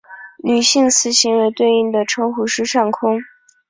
女性此行为对应的称呼是上空。